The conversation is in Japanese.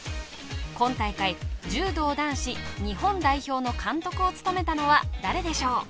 今大会柔道男子日本代表の監督を務めたのは誰でしょう？